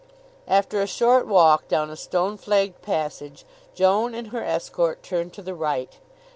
After a short walk down a stone flagged passage Joan and her escort turned to the right.